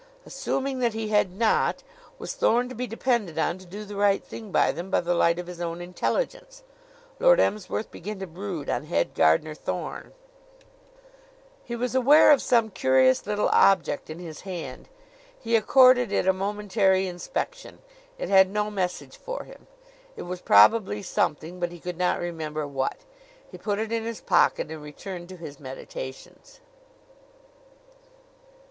Assuming that he had not, was Thorne to be depended on to do the right thing by them by the light of his own intelligence? Lord Emsworth began to brood on Head Gardener Thorne. He was aware of some curious little object in his hand. He accorded it a momentary inspection. It had no message for him. It was probably something; but he could not remember what. He put it in his pocket and returned to his meditations.